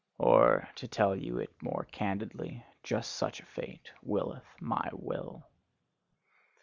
Or, to tell you it more candidly: just such a fate willeth my Will.